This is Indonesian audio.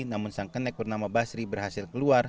namun sang kenek bernama basri berhasil keluar